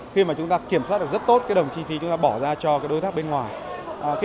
khi mà chúng ta kiểm soát được rất tốt cái đồng chi phí chúng ta bỏ ra cho đối tác bên ngoài